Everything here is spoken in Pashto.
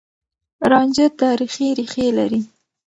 رانجه تاريخي ريښې لري.